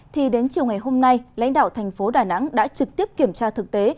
thì đến chiều ngày hôm nay lãnh đạo thành phố đà nẵng đã trực tiếp kiểm tra thực tế